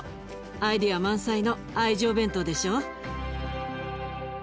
アイデア満載の愛情弁当でしょ？